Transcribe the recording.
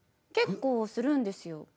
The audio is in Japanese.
結構するんですよ。